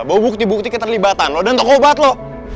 bawa bukti bukti keterlibatan lo dan tokoh obat lo